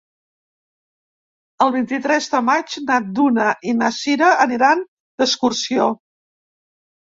El vint-i-tres de maig na Duna i na Sira aniran d'excursió.